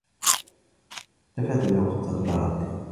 دفعت له خمسة دولارات.